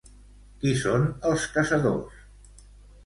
Qui són els caçadors?